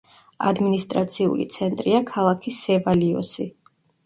ადმინისტრაციული ცენტრია ქალაქი სევალიოსი.